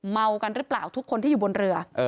เมากันหรือเปล่าทุกคนที่อยู่บนเรือ